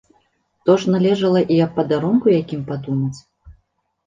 То ж належала і аб падарунку якім падумаць.